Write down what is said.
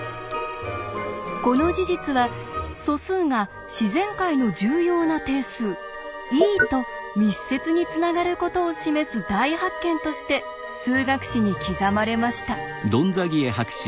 この事実は素数が自然界の重要な定数「ｅ」と密接につながることを示す大発見として数学史に刻まれました。